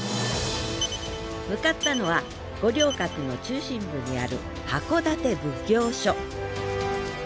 向かったのは五稜郭の中心部にある箱館奉行所。